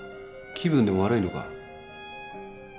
気分でも悪いのか？